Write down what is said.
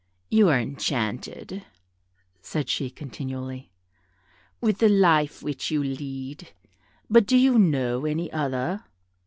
"You are enchanted," said she, continually, "with the life which you lead; but do you know any other?